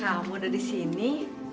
kamu udah di sini